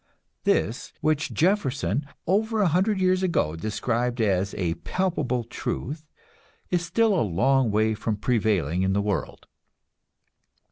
This, which Jefferson, over a hundred years ago, described as a "palpable truth," is still a long way from prevailing in the world.